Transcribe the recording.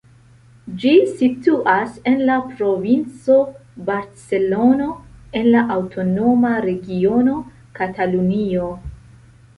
Ĝi situas en la Provinco Barcelono, en la aŭtonoma regiono Katalunio.